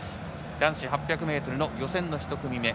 男子８００ｍの予選１組目。